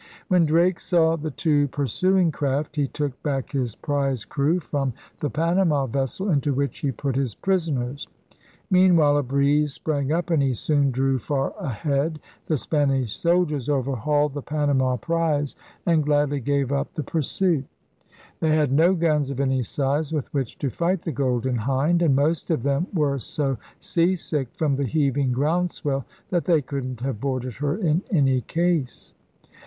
When Drake saw the two pursuing craft, he took back his prize crew from the Panama vessel, into which he put his prisoners. Meanwhile a breeze sprang up and he soon drew far ahead. The Spanish soldiers overhauled the Panama prize and gladly gave up the pursuit. 132 ELIZABETHAN SEA DOGS They had no guns of any size with which to fight the Golden Hind; and most of them were so sea sick from the heaving ground swell that they couldn't have boarded her in any case.